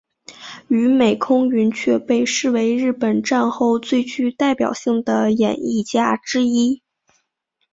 与美空云雀被视为日本战后最具代表性的演艺家之一。